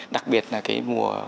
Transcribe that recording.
đặc biệt là cái mùa